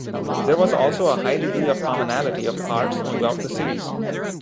There was also a high degree of commonality of parts throughout the series.